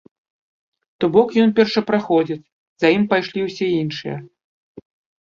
То бок, ён першапраходзец, за ім пайшлі ўсе іншыя.